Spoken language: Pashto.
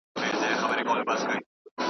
دا وړوکی کار نه و او نه اسان و.